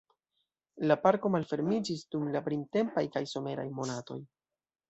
La parko malfermiĝis dum la printempaj kaj someraj monatoj.